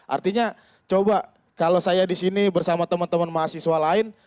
artinya coba kalau saya di sini bersama teman teman mahasiswa lain